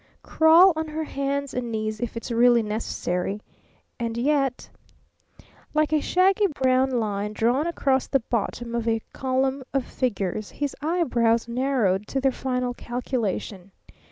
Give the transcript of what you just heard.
Crawl on her hands and knees if it's really necessary. And yet " Like a shaggy brown line drawn across the bottom of a column of figures, his eyebrows narrowed to their final calculation.